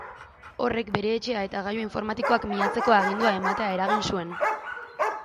Horrek, bere etxea eta gailu informatikoak miatzeko agindua ematea eragin zuen.